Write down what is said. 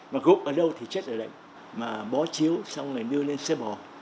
mà gột ở đâu thì chết ở đấy mà bó chiếu xong rồi đưa lên xe bò